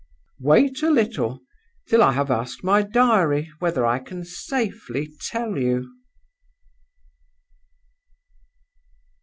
"Wait a little, till I have asked my diary whether I can safely tell you."